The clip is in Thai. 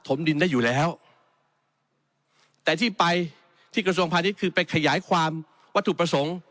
แต่ที่ไปที่กระทรวงภาพนิชย์คืนไปขยายความวัตถุประสงค์